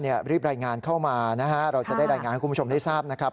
รีบรายงานเข้ามานะฮะเราจะได้รายงานให้คุณผู้ชมได้ทราบนะครับ